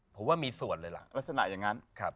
ผมว่ามีส่วนเลยล่ะลักษณะอย่างนั้น